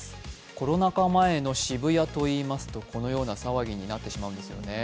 コロナ禍前の渋谷といいますとこのような騒ぎになってしまうんですよね。